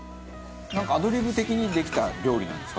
なんかアドリブ的にできた料理なんですか？